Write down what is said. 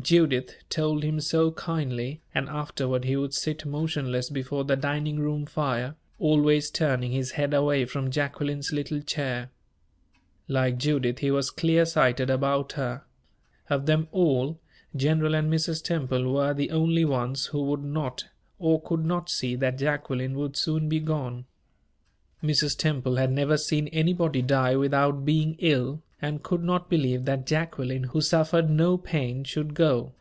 Judith told him so kindly, and afterward he would sit motionless before the dining room fire, always turning his head away from Jacqueline's little chair. Like Judith, he was clear sighted about her. Of them all, General and Mrs. Temple were the only ones who would not or could not see that Jacqueline would soon be gone. Mrs. Temple had never seen anybody die without being ill, and could not believe that Jacqueline, who suffered no pain, should go.